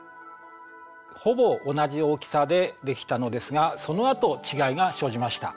ほぼ同じ大きさでできたのですがそのあと違いが生じました。